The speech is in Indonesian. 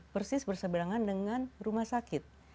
persis berseberangan dengan rumah sakit